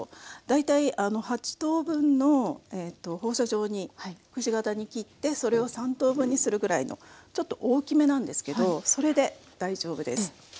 大体８等分の放射状にくし形に切ってそれを３等分にするぐらいのちょっと大きめなんですけどそれで大丈夫です。